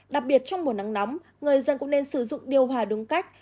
đặc biệt trong mùa nắng nóng người dân cũng nên sử dụng điều hòa đúng cách